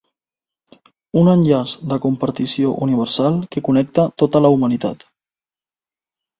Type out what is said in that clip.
Un enllaç de compartició universal que connecta tota la humanitat.